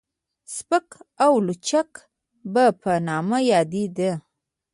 سپک او لچک به په نامه يادېده.